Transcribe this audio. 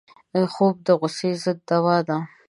خوب د غصې ضد دوا ده